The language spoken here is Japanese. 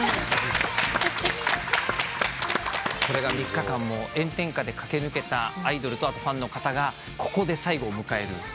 ３日間も炎天下で駆け抜けたアイドルとファンの方がここで最後を迎える。